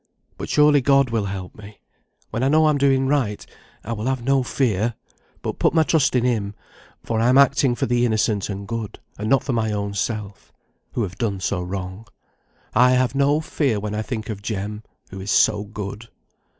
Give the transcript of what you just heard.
But surely God will help me. When I know I'm doing right, I will have no fear, but put my trust in Him; for I'm acting for the innocent and good, and not for my own self, who have done so wrong. I have no fear when I think of Jem, who is so good."